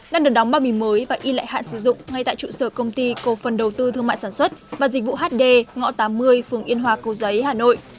đang được đóng bao bì mới và in lại hạn sử dụng ngay tại trụ sở công ty cổ phần đầu tư thương mại sản xuất và dịch vụ hd ngõ tám mươi phường yên hòa cầu giấy hà nội